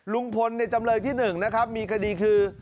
ลุงพลในจำเลยที่๑นะครับมีคดีคือ